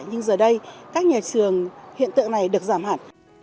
nhưng giờ đây các nhà trường hiện tượng này được giảm hẳn